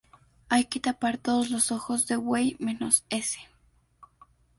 hay que tapar todos los ojos de buey, menos ese